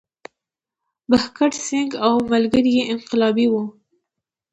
بهګت سینګ او ملګري یې انقلابي وو.